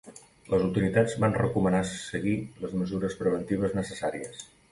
Les autoritats van recomanar seguir les mesures preventives necessàries.